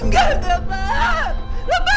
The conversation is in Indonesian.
gak ada apa apa